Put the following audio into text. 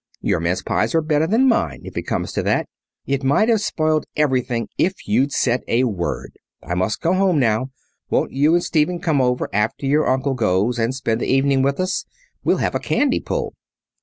Your mince pies are better than mine, if it comes to that. It might have spoiled everything if you'd said a word. I must go home now. Won't you and Stephen come over after your uncle goes, and spend the evening with us? We'll have a candy pull."